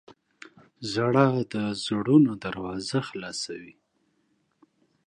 • ژړا د زړونو دروازه خلاصوي.